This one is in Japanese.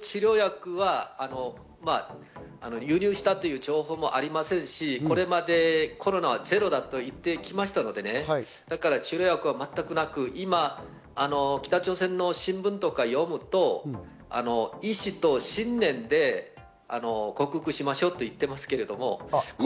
治療薬は輸入したという情報もありませんし、これまでコロナはゼロだと言ってきましたので、治療薬は全くなく、今、北朝鮮の新聞とか読むと意志と信念で克服しましょうと言っていますけれども。